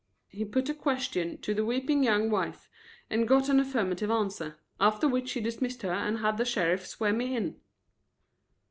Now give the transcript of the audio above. He put the question to the weeping young wife and got an affirmative answer, after which he dismissed her and had the sheriff swear me in.